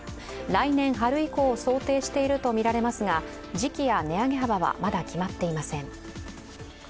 来年春以降を想定しているとみられますが、時期や値上げ幅はまだ決まっていません。